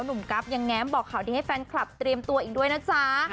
กราฟยังแง้มบอกข่าวดีให้แฟนคลับเตรียมตัวอีกด้วยนะจ๊ะ